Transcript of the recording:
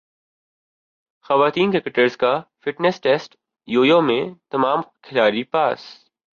خواتین کرکٹرز کا fitness test yo yo میں تمام کھلاڑی پاس